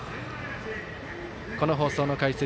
この放送の解説